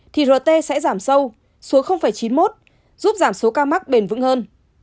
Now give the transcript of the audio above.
thì rt sẽ giảm sâu xuống chín mươi một giúp giảm số ca mắc bền vững hơn